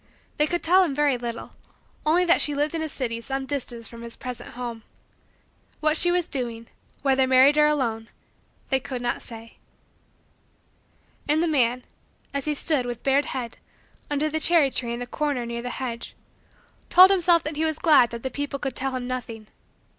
They could tell him very little; only that she lived in a city some distance from his present home. What she was doing; whether married or alone; they could not say. And the man, as he stood, with bared head, under the cherry tree in the corner near the hedge, told himself that he was glad that the people could tell him nothing.